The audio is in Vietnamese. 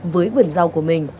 với vườn rau của mình